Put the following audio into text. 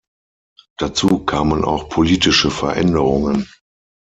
Dazu kamen auch politische Veränderungen.